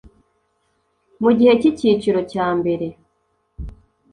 Mu gihe cy’icyiciro cya mbere